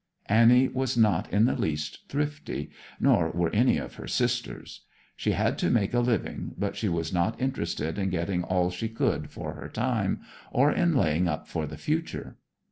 Annie was not in the least thrifty, nor were any of her sisters. She had to make a living, but she was not interested in getting all she could for her time, or in laying up for the future.